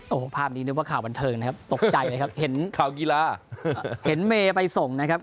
โอ้โหภาพนี้นึกว่าข่าวบันเทิงนะครับตกใจเลยครับเห็นข่าวกีฬาเห็นเมย์ไปส่งนะครับ